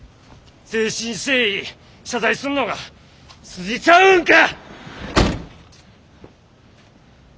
誠心誠意謝罪すんのが筋ちゃうんか！